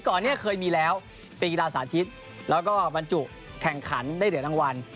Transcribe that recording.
ก่อนเนี่ยเคยมีแล้วเป็นกีฬาสาธิตแล้วก็บรรจุแข่งขันได้เหรียญรางวัล